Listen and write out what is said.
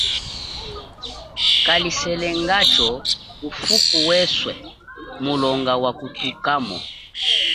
Kaliselangacho ufuku weswe mulonga wakuthukamo.